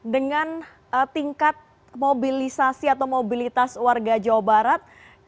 dengan tingkat mobilisasi atau mobilitas warga jawa barat